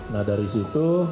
nah dari situ